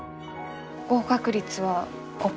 合格率は５％。